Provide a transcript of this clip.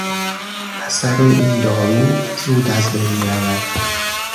اثر این دارو زود از بین میرود.